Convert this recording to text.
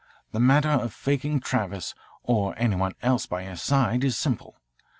The matter of faking Travis or any one else by his side is simple.